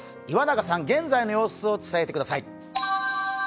岩永さん、現在の様子を伝えてください。